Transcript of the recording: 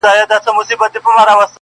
د سباوون ترانې وپاڅوم-